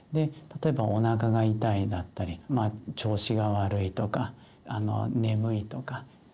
例えばおなかが痛いだったりまあ調子が悪いとか眠いとか。